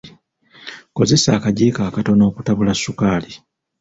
Kozesa akajjiiko akatono okutabula ssukaali.